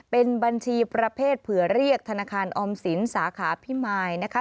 เป็นบัญชีประเภทเผื่อเรียกธนาคารออมสินสาขาพิมายนะคะ